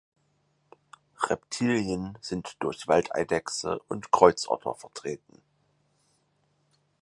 Reptilien sind durch Waldeidechse und Kreuzotter vertreten.